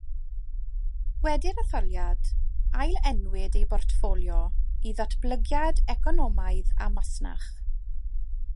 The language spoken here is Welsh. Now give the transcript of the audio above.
Wedi'r etholiad, ailenwyd ei bortffolio i “Ddatblygiad Economaidd a Masnach.”